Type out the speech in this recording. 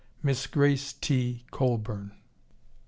MISS GRACE T. COLBURN.